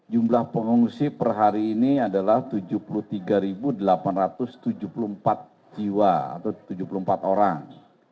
jumlah pengungsi per hari ini adalah tujuh puluh tiga delapan ratus tujuh puluh empat jiwa atau tujuh puluh empat orang